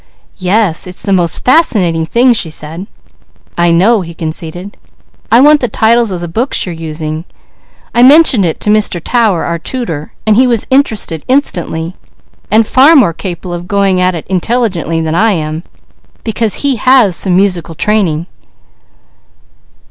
"Yes. It's the most fascinating thing," she said. "I know," he conceded. "I want the titles of the books you're using. I mentioned it to Mr. Tower, our tutor, and he was interested instantly, and far more capable of going at it intelligently than I am, because he has some musical training.